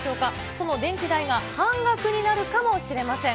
その電気代が半額になるかもしれません。